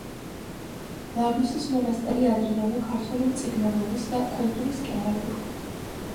ლარგვისის მონასტერი ადრიდანვე ქართული მწიგნობრობის და კულტურის კერა იყო.